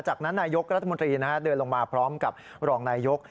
จากนั้นนายกรัฐมนตรีเดินลงมาพร้อมกับรองนายยก